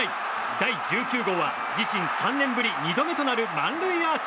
第１９号は自身３年ぶり２度目となる満塁アーチ。